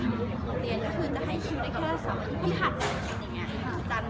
เรียนก็คือจะให้คิวได้แค่๒นาที